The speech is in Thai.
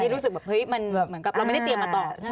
นี่รู้สึกแบบเห้ยเหมือนเกิดเราไม่ได้เตรียมมาตอบ